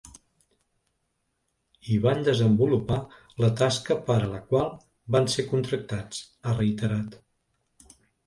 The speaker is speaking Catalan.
I “van desenvolupar la tasca per a la qual van ser contractats”, ha reiterat.